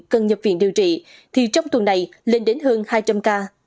bệnh viện điều trị thì trong tuần này lên đến hơn hai trăm linh ca